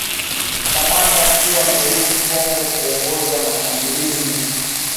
Kamanda mkuu amerudi Kongo kuongoza mashambulizi